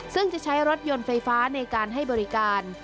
ซึ่งจะใช้รถยนต์ไฟฟ้าในการให้บริการ